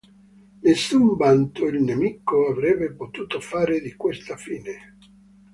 Nessun vanto il nemico avrebbe potuto fare di questa fine.